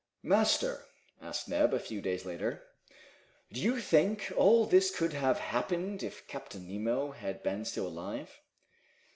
"Master," asked Neb, a few days later, "do you think all this could have happened if Captain Nemo had been still alive?"